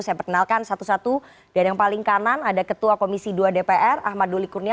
saya perkenalkan satu satu dan yang paling kanan ada ketua komisi dua dpr ahmad doli kurnia